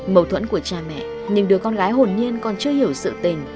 mâu thuẫn của cha mẹ nhưng đứa con gái hồn nhiên còn chưa hiểu sự tình